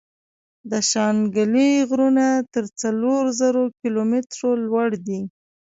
د شانګلې غرونه تر څلور زرو کلو ميتره لوړ دي ـ